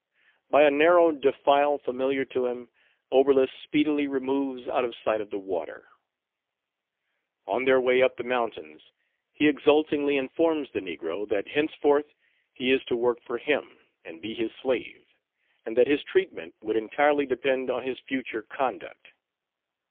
By a narrow defile familiar to him, Oberlus speedily removes out of sight of the water. On their way up the mountains, he exultingly informs the negro, that henceforth he is to work for him, and be his slave, and that his treatment would entirely depend on his future conduct.